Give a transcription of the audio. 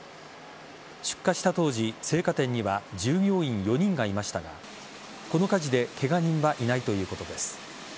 出火した当時、青果店には従業員４人がいましたがこの火事でケガ人はいないということです。